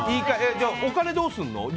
じゃあ、お金どうするの？